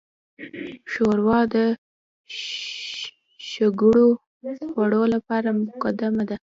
ښوروا د شګوړو خوړو لپاره مقدمه ده.